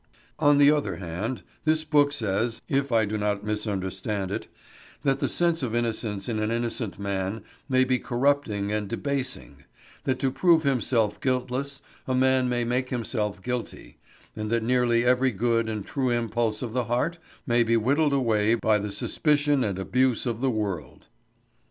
On the other hand, this book says, if I do not misunderstand it, that the sense of innocence in an innocent man may be corrupting and debasing; that to prove himself guiltless a man may make himself guilty, and that nearly every good and true impulse of the heart may be whittled away by the suspicion and abuse of the world.